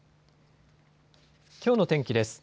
きょうの天気です。